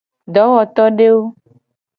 Dowotodewo.